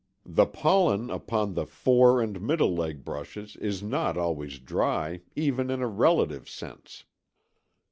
The pollen upon the fore and middle leg brushes is not always "dry" even in "a relative sense."